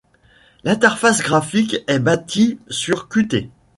L'interface graphique est bâtie sur Qt.